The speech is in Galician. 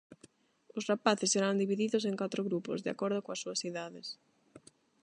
Os rapaces serán divididos en catro grupos, de acordo coas súas idades.